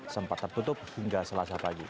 sempat tertutup hingga selasa pagi